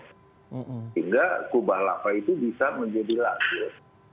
sehingga kubah lapar itu bisa menjadi lakir